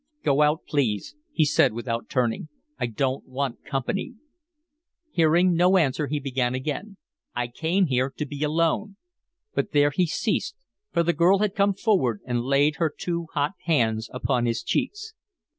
"Go out, please," he said, without turning. "I don't want company." Hearing no answer, he began again, "I came here to be alone" but there he ceased, for the girl had come forward and laid her two hot hands upon his cheeks.